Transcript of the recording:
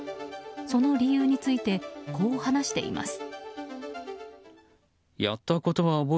その理由についてこう話しています。